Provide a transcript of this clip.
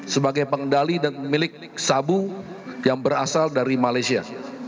sebagai pengendali dan milik sabu yang berasal dari malaysia